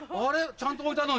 ちゃんと置いたのにな。